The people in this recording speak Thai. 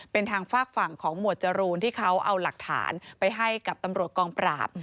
เป็นทางฝากฝั่งของหมวดจรูนที่เขาเอาหลักฐานไปให้กับตำรวจกองปราบ